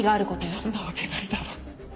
そんなわけないだろ。